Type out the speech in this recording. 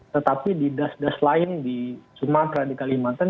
tetapi di das das lain di sumatera di kalimantan